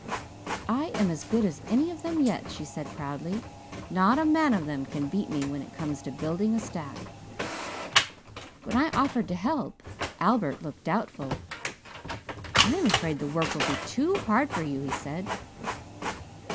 "I am as good as any of them yet," she said proudly. "Not a man of them can beat me when it comes to building a stack. When I offered to help Albert looked doubtful. 'I am afraid the work will be too hard for you,' he said.